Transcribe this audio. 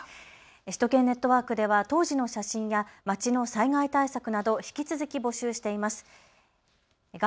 首都圏ネットワークでは当時の写真や街の災害対策など引き続き募集しています。